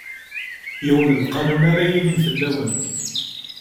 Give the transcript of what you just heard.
Yiwen n lqanun ara yilin fell-awen.